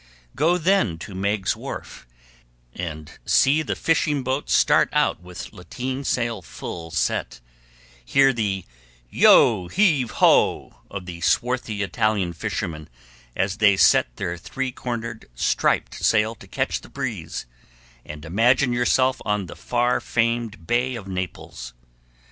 Go then to Meiggs' Wharf, and see the fishing boats start out with lateen sail full set; hear the "Yo heave ho" of the swarthy Italian fishermen, as they set their three cornered, striped sail to catch the breeze, and imagine yourself on the far famed bay of Naples.